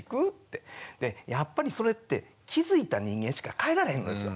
でやっぱりそれって気付いた人間しか変えられへんのですよ。